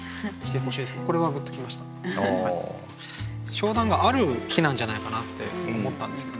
商談がある日なんじゃないかなって思ったんですよね。